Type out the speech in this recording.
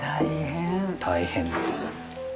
◆大変です。